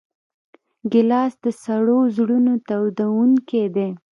ګیلاس د سړو زړونو تودوونکی دی.